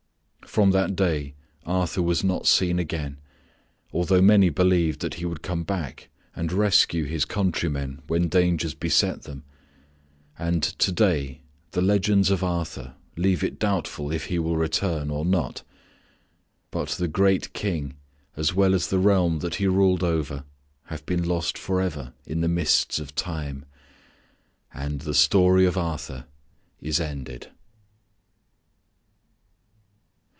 From that day Arthur was not seen again, although many believed that he would come back and rescue his countrymen when dangers beset them; and to day the legends of Arthur leave it doubtful if he will return or not. But the great King as well as the realm that he ruled over have been lost forever in the mists of time. And the story of Arthur is ended.